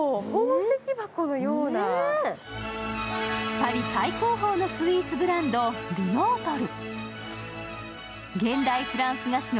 パリ最高峰のスイーツブランド・ルノートル。